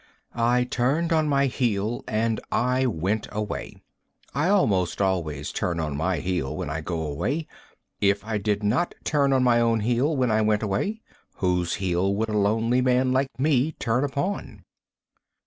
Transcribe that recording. I turned on my heel and I went away. I most always turn on my heel when I go away. If I did not turn on my own heel when I went away, whose heel would a lonely man like me turn upon?